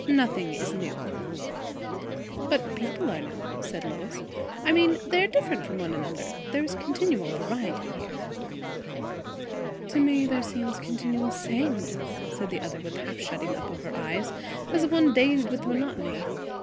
Nothing is new." "But people are new," said Lois. "I mean they are different from one another. There is continual variety there." "To me there seems continual sameness!" said the other, with a half shutting up of her eyes, as of one dazed with monotony.